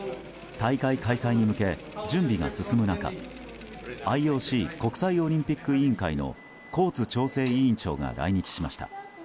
大会開催に向け準備が進む中ＩＯＣ・国際オリンピック委員会のコーツ調整委員長が来日しました。